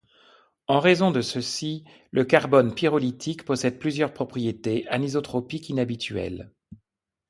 En raison de ceci, le carbone pyrolytique possède plusieurs propriétés anisotropiques inhabituelles.